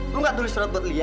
gue gak tulis surat buat lia